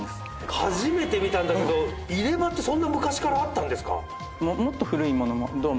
初めて見たんだけど入れ歯ってそんな昔からあったんですか？